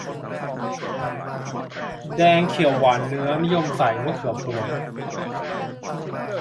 แดงเขียวหวานเนื้อ นิยมใส่มะเขือพวง